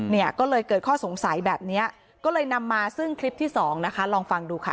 เนี่ยก็เลยเกิดข้อสงสัยแบบนี้ก็เลยนำมาซึ่งคลิปที่สองนะคะลองฟังดูค่ะ